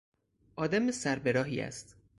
آدم سر به راهی است.